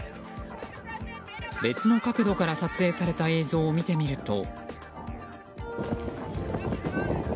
別の角度から撮影された映像を見てみると。